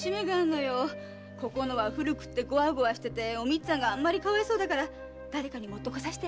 ここのは古くてゴワゴワしててお光さんがかわいそうだから誰かに持ってこさせて。